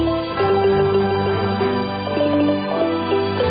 โรงเมือง